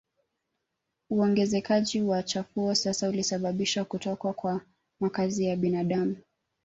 Uongezekaji wa chafuo sasa ulisababisha kutokuwa kwa makazi ya binadamu